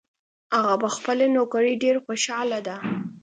هغه په خپله نوکري ډېر خوشحاله ده